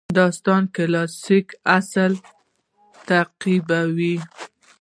داستان کلاسیک اصول تعقیبوي.